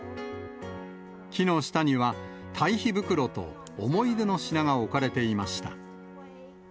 木の下には、堆肥袋と思い出の品が置かれていました。